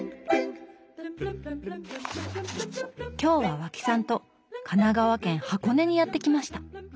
今日は和氣さんと神奈川県・箱根にやって来ました。